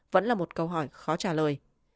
vẫn là một câu hỏi khó trả lời